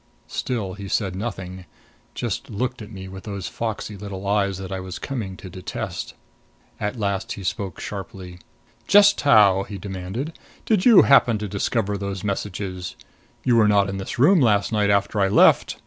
Still he said nothing; just looked at me with those foxy little eyes that I was coming to detest. At last he spoke sharply: "Just how," he demanded, "did you happen to discover those messages? You were not in this room last night after I left?"